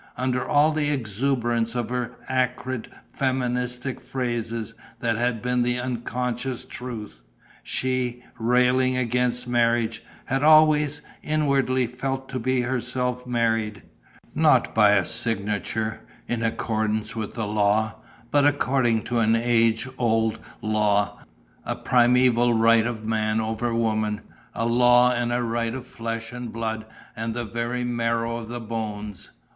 Under all the exuberance of her acrid feministic phrases, that had been the unconscious truth. She, railing against marriage, had always, inwardly, felt herself to be married ... not by a signature, in accordance with the law, but according to an age old law, a primeval right of man over woman, a law and a right of flesh and blood and the very marrow of the bones.